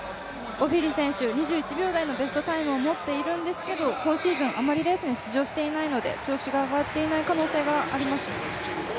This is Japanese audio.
オフィリ選手、２１秒台の自己ベストを持っているんですけれども、今シーズンあまりレースに出場していないので調子が上がっていない可能性があります。